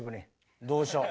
どうしよう？